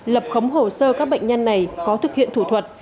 lập khống hồ sơ các bệnh nhân này có thực hiện thủ thuật